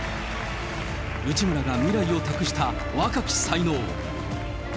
内村が未来を託した若き才能。